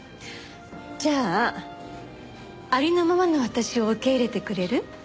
じゃあありのままの私を受け入れてくれる？